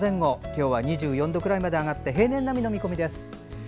今日は２４度くらいまで上がって平年並みの見込みです。